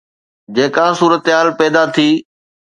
جيڪا صورتحال پيدا ٿي